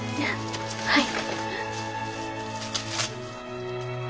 はい。